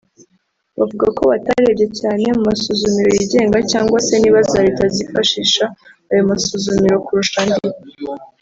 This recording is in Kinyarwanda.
Bavuga ko batarebye cyane mu masuzumiro yigenga cyangwa se niba za leta zifashisha ayo masuzumuro kurusha andi